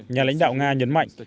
nhà lãnh đạo nga nhấn mạnh